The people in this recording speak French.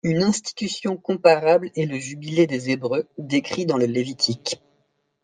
Une institution comparable est le jubilé des Hébreux, décrit dans le Lévitique.